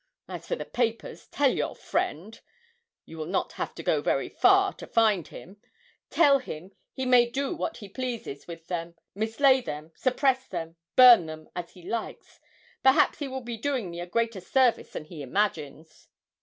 As for the papers, tell your friend (you will not have to go very far to find him) tell him he may do what he pleases with them, mislay them, suppress them, burn them, if he likes perhaps he will be doing me a greater service than he imagines!'